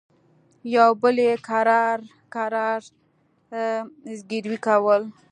يوه بل يې کرار کرار زګيروي کول.